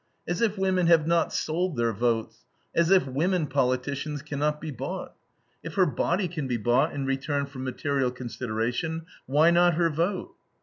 As if women have not sold their votes, as if women politicians can not be bought! If her body can be bought in return for material consideration, why not her vote?